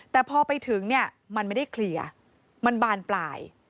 แต่พอไปถึงเนี่ยมันไม่ได้เคลียร์มันบานปลาย